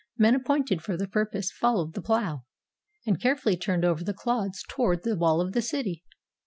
Men appointed for the purpose followed the plough, and carefully turned over the clods toward the wall of the city.